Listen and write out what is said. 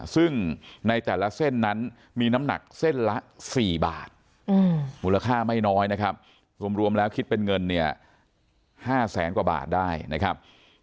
ซึ่งในแต่ละเส้นนั้นมีน้ำหนักเส้นละ๔บาทมูลค่าไม่น้อยนะครับรวมแล้วคิดเป็นเงินเนี่ย๕แสนกว่าบาทได้นะครับ